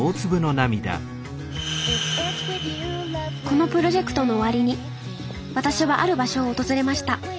このプロジェクトの終わりに私はある場所を訪れました。